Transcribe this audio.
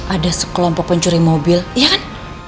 ada sekelompok pencuri mobil ya kan